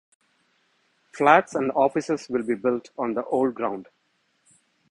Flats and offices will be built on the old ground.